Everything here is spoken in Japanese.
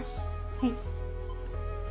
はい。